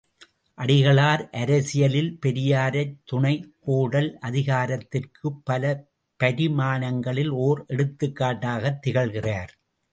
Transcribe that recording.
அடிகளார் அரசியலில் பெரியாரைத் துணைக்கோடல் அதிகாரத்திற்குப் பல பரிமாணங்களில் ஒர் எடுத்துக்காட்டாகத் திகழ்கிறார்.